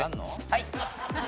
はい。